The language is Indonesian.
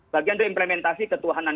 bagian dari implementasi ketuhanan